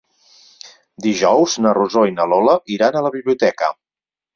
Dijous na Rosó i na Lola iran a la biblioteca.